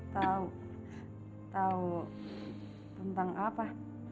tahu tahu tentang apa